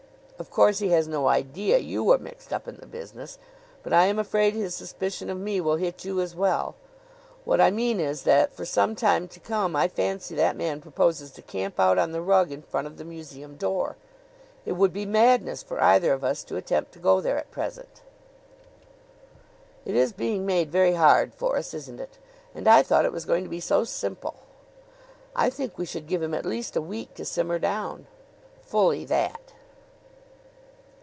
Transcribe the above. Of course he has no idea you are mixed up in the business; but I am afraid his suspicion of me will hit you as well. What I mean is that, for some time to come, I fancy that man proposes to camp out on the rug in front of the museum door. It would be madness for either of us to attempt to go there at present." "It is being made very hard for us, isn't it? And I thought it was going to be so simple." "I think we should give him at least a week to simmer down." "Fully that."